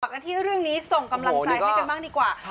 กันที่เรื่องนี้ส่งกำลังใจให้กันบ้างดีกว่า